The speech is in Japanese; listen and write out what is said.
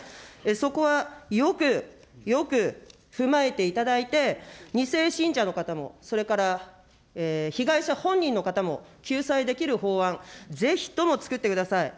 そこはよくよく、踏まえていただいて、２世信者の方も、それから被害者本人の方も救済できる法案、ぜひとも作ってください。